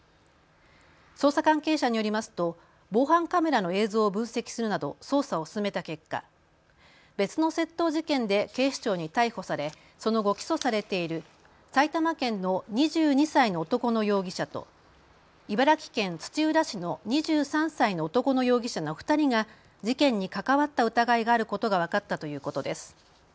捜査関係者によりますと防犯カメラの映像を分析するなど捜査を進めた結果、別の窃盗事件で警視庁に逮捕されその後、起訴されている埼玉県の２２歳の男の容疑者と茨城県土浦市の２３歳の男の容疑者の２人が事件に関わった疑いがあることが分かったということです。